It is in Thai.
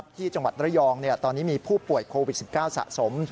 ที่จังหวัดระยองตอนนี้มีผู้ป่วยโควิด๑๙สะสม